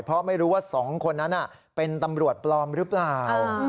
เพราะไม่รู้ว่า๒คนนั้นเป็นตำรวจปลอมหรือเปล่า